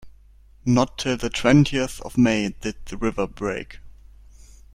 Not till the twentieth of May did the river break.